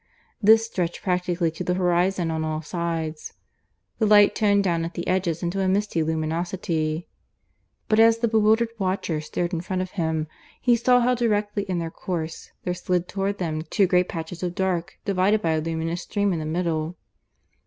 This stretched practically to the horizon on all sides; the light toned down at the edges into a misty luminosity, but as the bewildered watcher stared in front of him, he saw how directly in their course there slid toward them two great patches of dark, divided by a luminous stream in the middle.